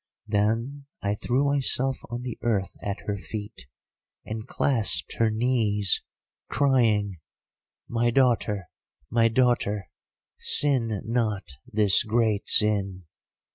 "Then I threw myself on the earth at her feet, and clasped her knees, crying, 'My daughter, my daughter, sin not this great sin.